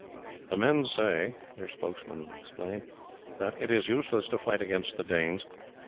"The men say," their spokesman explained, "that it is useless to fight against the Danes.